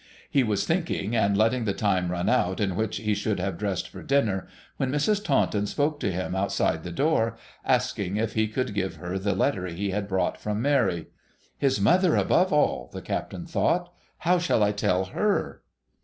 He was thinking, and letting the time run out in which he should have dressed for dinner, when Mrs. Taunton spoke to him outside the door, asking if he could give her the letter he had brought from Mary. ' His mother, above all,' the Captain thought. ' How shall I tell her